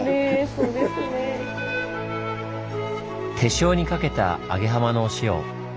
手塩にかけた揚浜のお塩。